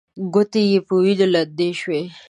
ګوتې يې په وينو لندې شوې.